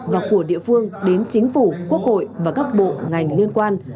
và của địa phương đến chính phủ quốc hội và các bộ ngành liên quan